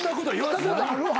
したことあるわ。